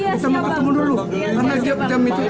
kita mau ketemu dulu karena tiap jam itu